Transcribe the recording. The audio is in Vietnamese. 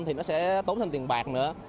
thì nó sẽ tốn thêm tiền bạc nữa